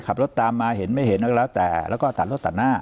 ขับรถตามมาเห็นไม่เห็นอะไรก็แล้วแต่แล้วก็ตัดรถตัดหน้า